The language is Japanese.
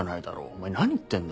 お前何言ってんだ。